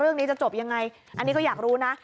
เรื่องนี้จะจบยังไงอันนี้ก็อยากรู้นะ